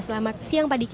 selamat siang pak diki